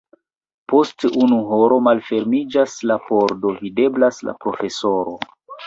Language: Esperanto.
Post unu horo malfermiĝas la pordo, videblas la profesoro.